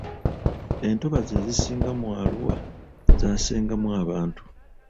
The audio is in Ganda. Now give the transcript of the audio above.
Entobazi ezisinga mu Arua zaasengemu abantu.